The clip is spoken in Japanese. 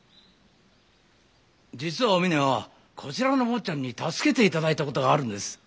実はお峰はこちらのお坊ちゃんに助けていただいたことがあるんです。